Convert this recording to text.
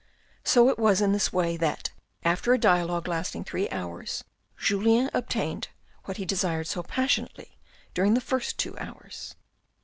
So it was in this way that, after a dialogue lasting three hours, Julien obtained what he desired so passionately during the first two hours.